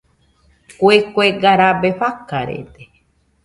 Kue kuega rabe rafarede.